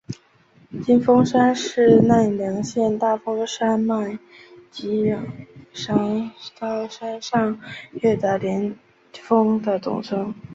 金峰山是奈良县大峰山脉吉野山到山上岳的连峰的总称。